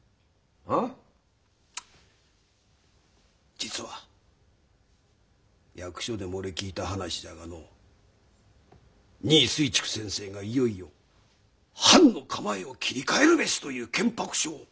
実は役所で漏れ聞いた話じゃがの新井水竹先生がいよいよ「藩の構えを切り替えるべし」という建白書を殿に差し出したそうじゃ。